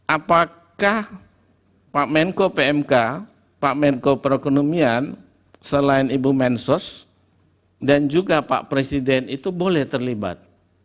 apakah pak menko pmk pak menko perekonomian selain ibu mensos dan juga pak presiden itu boleh terlibat